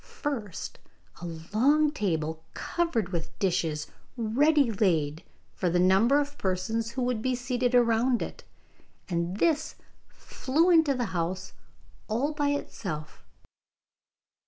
First a long table covered with dishes ready laid for the number of persons who would be seated round it, and this flew into the house all by itself.